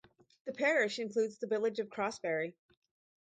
The Parish includes the village of Crossbarry.